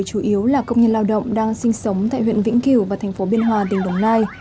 chủ yếu là công nhân lao động đang sinh sống tại huyện vĩnh kiều và thành phố biên hòa tỉnh đồng nai